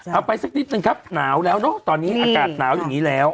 ไปสักนิดนึงครับหนาวแล้วเนอะตอนนี้อากาศหนาวอย่างนี้แล้ว